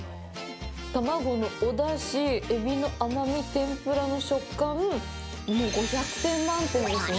卵のお出汁、エビの甘み天ぷらの食感、もう５００点満点ですね。